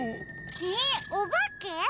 えっおばけ！？